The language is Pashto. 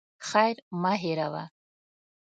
خير مه هېروه.